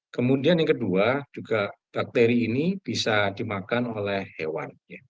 kemudian yang kedua juga bakteri ini bisa dimakan oleh hewan